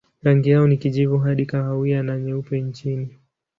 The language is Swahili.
Rangi yao ni kijivu hadi kahawia na nyeupe chini.